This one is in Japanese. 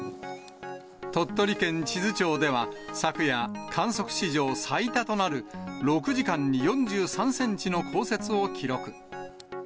鳥取県智頭町では昨夜、観測史上最多となる６時間に４３センチの降雪を記録。